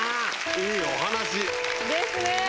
いいお話！ですね。